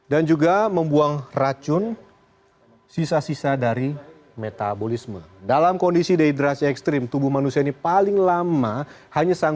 dan juga membuang makanan